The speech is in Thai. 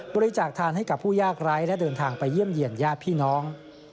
บริจาคทานให้กับผู้ยากไร้และเดินทางไปเยี่ยมเยี่ยนญาติพี่น้อง